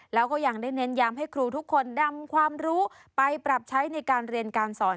แล้วก็ยังได้เน้นย้ำให้ครูทุกคนนำความรู้ไปปรับใช้ในการเรียนการสอน